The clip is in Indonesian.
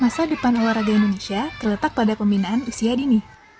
masa depan olahraga indonesia terletak pada pembinaan usia dini